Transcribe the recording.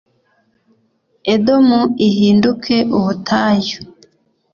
Edomu ihinduke ubutayu,